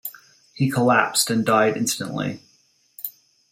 He collapsed and died instantly.